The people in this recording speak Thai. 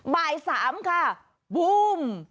บ่าย๓ค่ะบูม